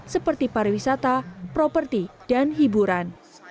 seperti pariwisata properti dan hiburan